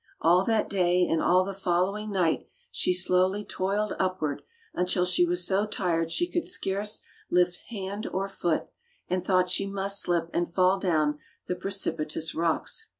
All that day and all the following night she slowly toiled upward until she was so tired she could scarce lift hand or foot and thought she must slip and fall down the precipitous rocks.